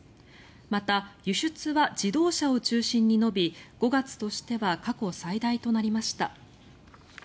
また、輸出は自動車を中心に伸び５月としては過去最大となりました。